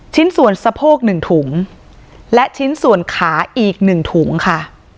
ชิ้นส่วนสะโพก๑ถุงและชิ้นส่วนขาอีก๑ถุงค่ะ